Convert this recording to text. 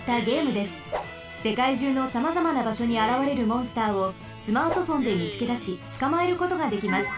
せかいじゅうのさまざまなばしょにあらわれるモンスターをスマートフォンでみつけだしつかまえることができます。